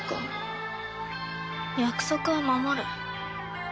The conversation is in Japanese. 約束は守る。